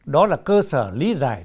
đó là cơ sở lý giải